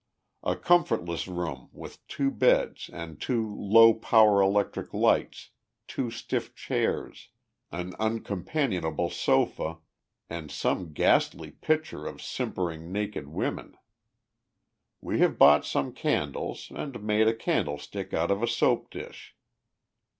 A comfortless room with two beds and two low power electric lights, two stiff chairs, an uncompanionable sofa, and some ghastly pictures of simpering naked women. We have bought some candles, and made a candlestick out of a soap dish.